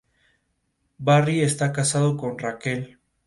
Los totales respectivos están derivados de la Web de Science de Thomson Reuters.